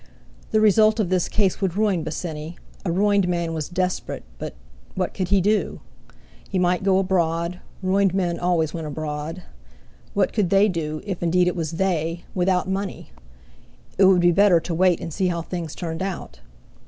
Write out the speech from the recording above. The result of this case would ruin Bosinney; a ruined man was desperate, but—what could he do? He might go abroad, ruined men always went abroad. What could they do—if indeed it was "they"—without money? It would be better to wait and see how things turned out.